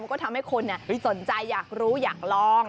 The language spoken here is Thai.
ก็ทำให้คนสนใจอยากรู้อยากลอง